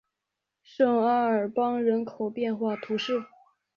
圣阿尔邦人口变化图示